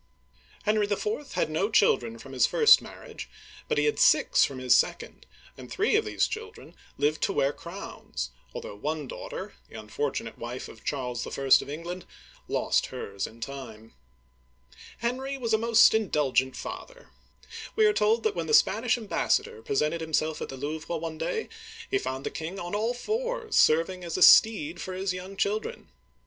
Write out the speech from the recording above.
Henry IV. had no children from his first marriage, but he had six from his second, and three of these children lived to wear crowns, although one daughter — the unfor tunate wife of Charles I. of England — lost hers in time.^ Drawing by Du Semane. Henry IV. and his Children. Henry was a most indulgent father. We are told that; when the Spanish ambassador presented himself at the Louvre one day, he found the king on all fours, serving as steed for his young children.